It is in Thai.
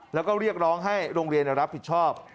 แล้วก็เรียกร้องให้โรงเรียนรับผิดชอบ